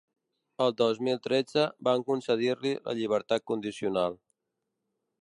El dos mil tretze van concedir-li la llibertat condicional.